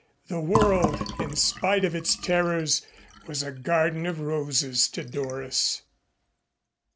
The world, in spite of its terrors, was a garden of roses to Doris.